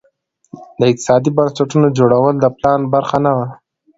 د اقتصادي بنسټونو جوړول د پلان برخه نه وه.